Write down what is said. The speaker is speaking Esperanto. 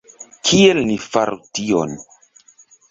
Kiel ni faru tion?